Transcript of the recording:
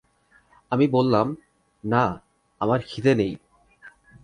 আমি বললাম, না, আমার খিদে নেই।